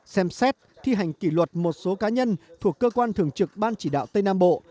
xem xét thi hành kỷ luật một số cá nhân thuộc cơ quan thường trực ban chỉ đạo tây nam bộ